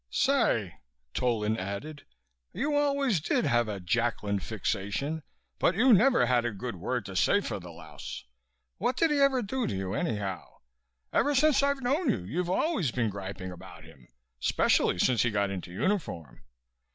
"Say," Tolan added. "You always did have a Jacklin fixation but you never had a good word to say for the louse. What did he ever do to you, anyhow? Ever since I've known you, you've always been griping about him, specially since he got into uniform.